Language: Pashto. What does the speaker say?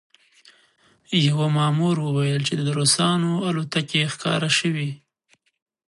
یوه مامور وویل چې د روسانو الوتکې ښکاره شوې